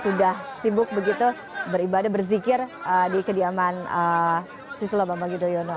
sudah sibuk begitu beribadah berzikir di kediaman susilo bambang yudhoyono